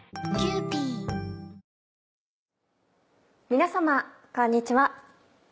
皆様こんにちは。